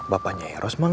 mak emang ke rumah